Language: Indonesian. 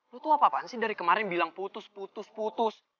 lu tuh apa apaan sih dari kemarin bilang putus putus putus